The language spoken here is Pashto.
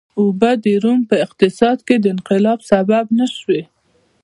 اوبه د روم په اقتصاد کې د انقلاب سبب نه شوې.